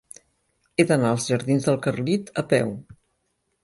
He d'anar als jardins del Carlit a peu.